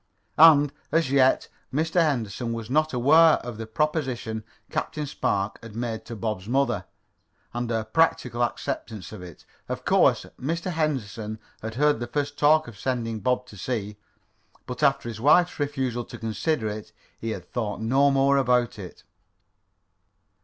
And, as yet, Mr. Henderson was not aware of the proposition Captain Spark had made to Bob's mother, and her practical acceptance of it. Of course, Mr. Henderson had heard the first talk of sending Bob to sea, but after his wife's refusal to consider it he had thought no more about it.